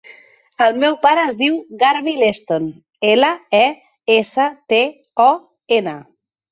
El meu pare es diu Garbí Leston: ela, e, essa, te, o, ena.